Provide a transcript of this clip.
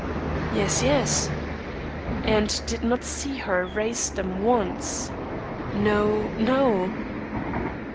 "Yes, yes." "And did not see her raise them once?" "No, no."